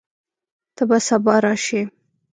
ته به سبا راشې؟